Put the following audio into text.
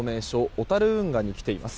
小樽運河に来ています。